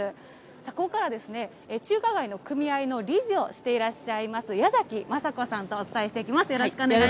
ここからは中華街の組合の理事をしていらっしゃいます、矢崎雅子さんとお伝えしていきます。